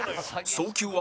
送球は？